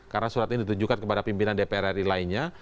karena surat ini ditunjukkan kepada pimpinan dpr ri lainnya